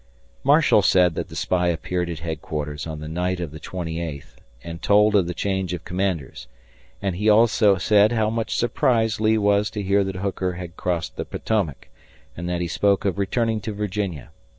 Marshall said that the spy appeared at headquarters on the night of the twenty eighth and told of the change of commanders, and he also said how much surprised Lee was to hear that Hooker had crossed the Potomac, and that he spoke of returning to Virginia.